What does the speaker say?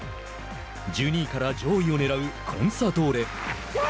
１２位から上位を狙うコンサドーレ。